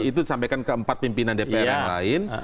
itu disampaikan ke empat pimpinan dpr yang lain